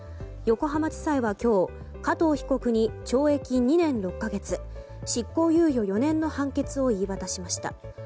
横浜地裁は今日、加藤被告に懲役２年６か月執行猶予４年の判決を言い渡しました。